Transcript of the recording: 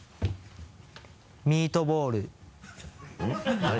ミートボール。